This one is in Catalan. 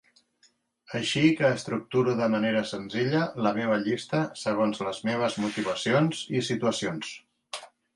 Així que estructuro de manera senzilla la meva llista segons les meves motivacions i situacions.